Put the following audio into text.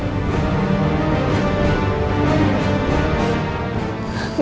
aku tidak mau kehidupan